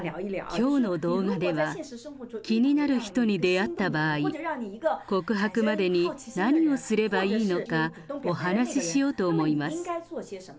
きょうの動画では、気になる人に出会った場合、告白までに何をすればいいのかお話ししようと思います。